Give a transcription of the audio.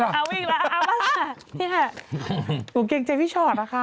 โอ้โฮเกรงเจ็บพี่ชอตล่ะค่ะ